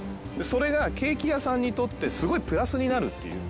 それがケーキ屋さんにとってすごいプラスになるっていう。